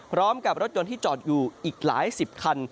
พร้อมกับรถยนต์ที่จอดอยู่อีกหลายสิบคัน